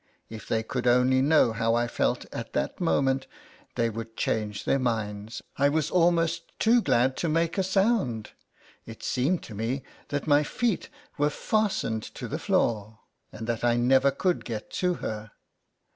If they could only know how I felt at that moment, they would change their minds. I was almost too glad to make a sound. It seemed to me that my feet Were fastened to the floor, and that I never could get to her.